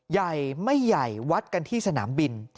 ใหญ่ไม่ใหญ่วัดกันที่สนามบิน